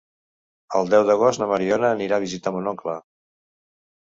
El deu d'agost na Mariona anirà a visitar mon oncle.